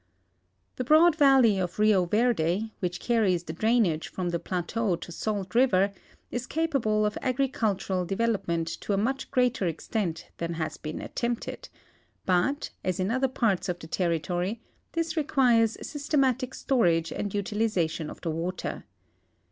The broad valley of Rio Verde, which carries the drainage from the plateau to Salt river, is capable of agricultural develop ment to a much greater extent than has been attempted ; but, as in other parts of the territory, this requires systematic storage and utilization of the water.